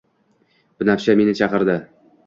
Binafsha meni chaqirdi